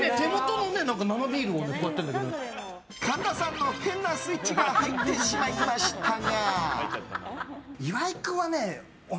神田さんの変なスイッチが入ってしまいましたが。